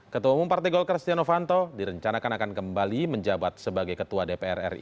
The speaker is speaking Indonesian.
ketua umum partai golkar stiano fanto direncanakan akan kembali menjabat sebagai ketua dpr ri